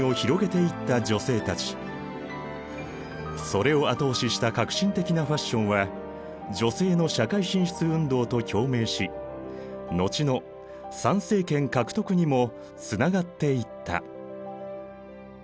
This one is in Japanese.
それを後押しした革新的なファッションは女性の社会進出運動と共鳴し後の参政権獲得にもつながっていった。